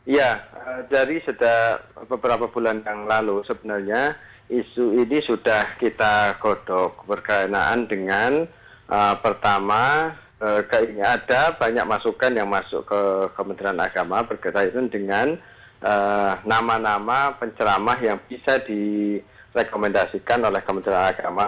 ya dari beberapa bulan yang lalu sebenarnya isu ini sudah kita kodok berkaitan dengan pertama kayaknya ada banyak masukan yang masuk ke kementerian agama berkaitan dengan nama nama penceramah yang bisa direkomendasikan oleh kementerian agama